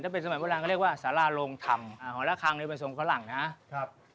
ถ้าเป็นสมัยผ่านรามก็เรียกว่าสารารวงธรรมของละคางในวันนี้ของส่วนฝรั่งนะครับ